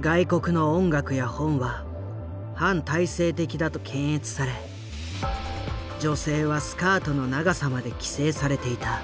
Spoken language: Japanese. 外国の音楽や本は反体制的だと検閲され女性はスカートの長さまで規制されていた。